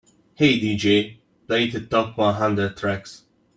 "Hey DJ, play the top one hundred tracks"